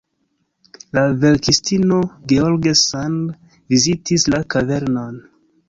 La verkistino George Sand vizitis la kavernon.